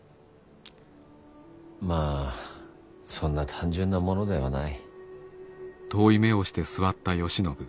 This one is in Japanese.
まぁそんな単純なものではない。